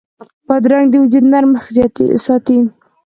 بادرنګ د وجود نرمښت ساتي.